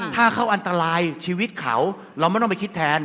ถ้าเขาอันตรายชีวิตเขาเราไม่ต้องไปคิดแทน